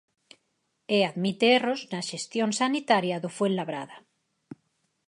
E admite erros na xestión sanitaria do Fuenlabrada.